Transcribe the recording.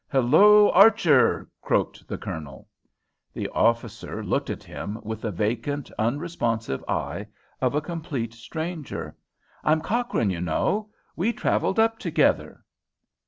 "Hulloa, Archer!" croaked the Colonel. The officer looked at him with the vacant, unresponsive eye of a complete stranger. "I'm Cochrane, you know! We travelled up together."